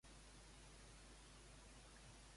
Què ha de fer Aznar, segons Iglesias?